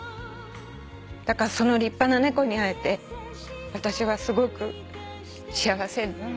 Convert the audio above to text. だからその立派な猫に会えて私はすごく幸せだったです。